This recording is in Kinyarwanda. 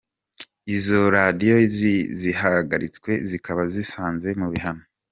Izo radiyo zihagaritswe zikaba zisanze mu bihano.